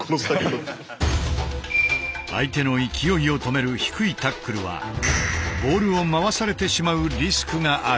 相手の勢いを止める低いタックルはボールを回されてしまうリスクがある。